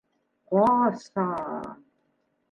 Ҡа-сан?